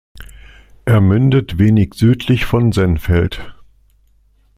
Er mündet wenig südlich von Sennfeld.